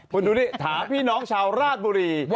คุณดูดิถามพี่น้องชาวราชบุรี